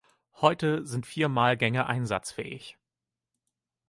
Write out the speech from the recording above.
Heute sind vier Mahlgänge einsatzfähig.